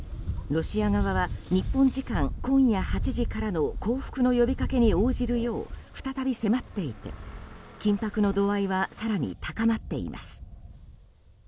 ロシア側は日本時間今夜８時からの降伏の呼びかけに応じるよう再び迫っていて緊迫の度合いは更に高まっています。